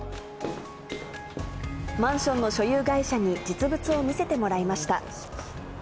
マンションの所有会社に、実物を見せてもらいました。